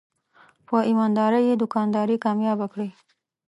په ایماندارۍ یې دوکانداري کامیابه کړې.